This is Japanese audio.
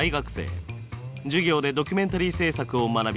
授業でドキュメンタリー制作を学び